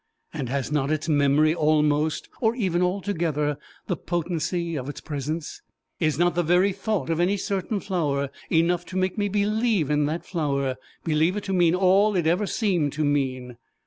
and has not its memory almost, or even altogether, the potency of its presence? Is not the very thought of any certain flower enough to make me believe in that flower believe it to mean all it ever seemed to mean?